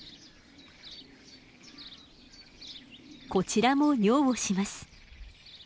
こちらも尿をします。